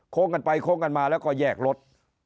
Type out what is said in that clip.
กันไปโค้งกันมาแล้วก็แยกรถ